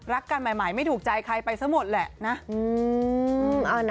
รักกันใหม่ไม่ถูกใจใครไปซะหมดแหละนะ